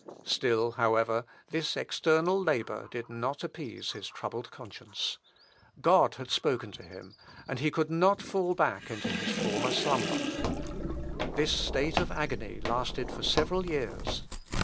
Still, however, this external labour did not appease his troubled conscience. God had spoken to him, and he could not fall back into his former slumber. This state of agony lasted for several years.